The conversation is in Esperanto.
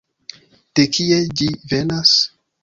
De kie ĝi venas?